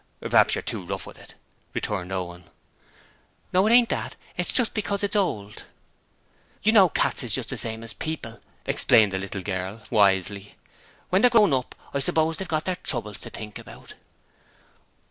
'Perhaps you're too rough with it,' returned Owen. 'No, it ain't that; it's just because it's old.' 'You know cats is just the same as people,' explained the little girl, wisely. 'When they're grown up I suppose they've got their troubles to think about.'